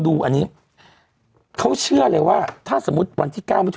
ดูอันนี้เขาเชื่อเลยว่าถ้าสมมุติวันที่เก้ามิถ